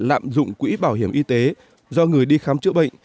lạm dụng quỹ bảo hiểm y tế do người đi khám chữa bệnh